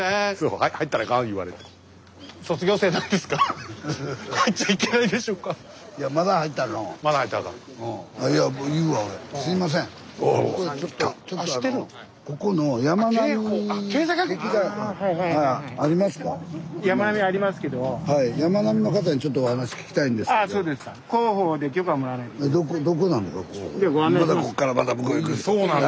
スタジオまたこっからまた向こう行くんです。